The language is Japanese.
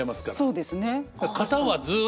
そうですね。